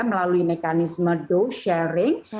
melalui mekanisme dose sharing